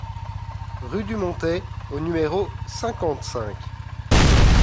Rue du Montais au numéro cinquante-cinq